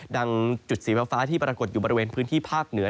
จุดสีฟ้าที่ปรากฏอยู่บริเวณพื้นที่ภาคเหนือ